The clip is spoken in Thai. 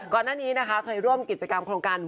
ก่อนหน้านี้นะคะเคยร่วมกิจกรรมโครงการ